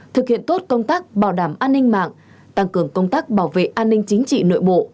thực hiện tốt công tác bảo đảm an ninh mạng tăng cường công tác bảo vệ an ninh chính trị nội bộ